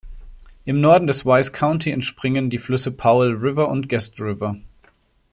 Im Norden des Wise County entspringen die Flüsse Powell River und Guest River.